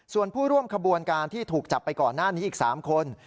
ส่วนผู้ร่วมขบวนการที่ถูกจับไปก่อนหน้านี้อีก๓คน